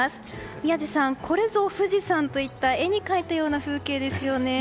宮司さん、これぞ富士山といった絵に描いたような風景ですね。